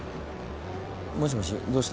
もしもしどうした？